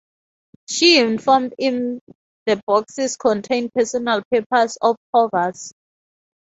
She informed him the boxes contained personal papers of Hoover's.